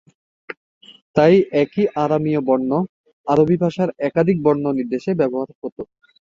তাই একই আরামীয় বর্ণ আরবি ভাষার একাধিক বর্ণ নির্দেশে ব্যবহার করা হত।